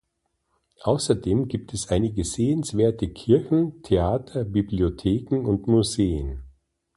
Außerdem gibt es einige sehenswerte Kirchen, Theater, Bibliotheken und Museen.